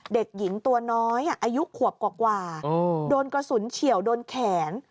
เด็กหญิงตัวน้อยอายุขวบกว่าโดนกระสุนเฉียวโดนแขน